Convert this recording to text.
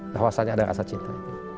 bahwasannya ada rasa cinta